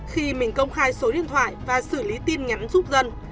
khi mình công khai số điện thoại và xử lý tin nhắn giúp dân